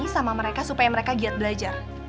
sama mereka supaya mereka giat belajar